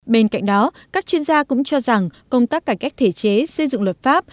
bên cạnh đó các chuyên gia cũng cho rằng công tác cải cách thể chế xây dựng luật pháp